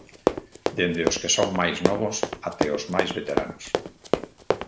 Dende os que son máis novos até os máis veteranos.